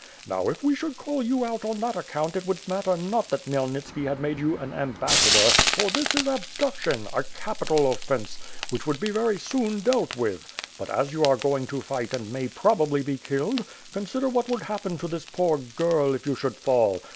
Now, if we should call you out on that account it would matter not that Khmyelnitski had made you an ambassador; for this is abduction, a capital offence, which would be very soon dealt with. But, as you are going to fight and may prob ably be killed, consider what would happen to this poor girl, if you should fall.